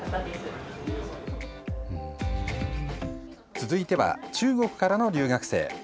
続いては中国からの留学生。